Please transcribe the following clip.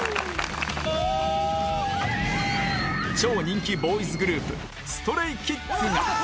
超人気ボーイズグループ ＳｔｒａｙＫｉｄｓ が